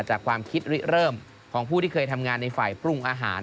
จากความคิดริเริ่มของผู้ที่เคยทำงานในฝ่ายปรุงอาหาร